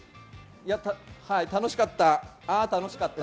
楽しかった！